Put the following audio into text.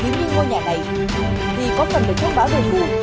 nếu như ngôi nhà này thì có phần được thông báo về thương